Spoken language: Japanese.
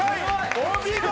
お見事！